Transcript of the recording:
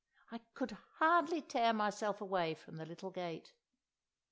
I could hardly tear myself away from the little gate.